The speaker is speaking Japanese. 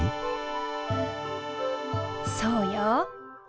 そうよ。